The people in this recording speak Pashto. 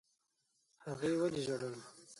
هغې ولي ژړل؟